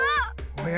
おや？